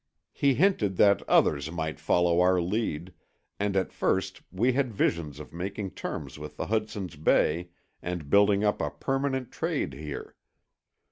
He hinted that others might follow our lead, and at first we had visions of making terms with the Hudson's Bay and building up a permanent trade here.